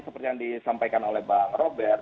seperti yang disampaikan oleh bang robert